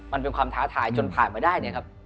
มันเป็นความท้าทายจนผ่านมาได้